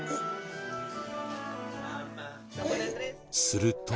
すると。